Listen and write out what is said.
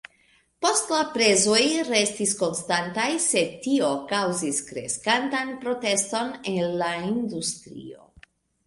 Poste la prezoj restis konstantaj, sed tio kaŭzis kreskantan proteston el la industrio.